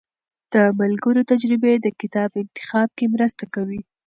د ملګرو تجربې د کتاب انتخاب کې مرسته کوي.